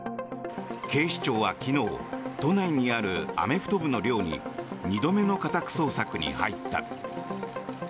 警視庁は昨日都内にあるアメフト部の寮に２度目の家宅捜索に入った。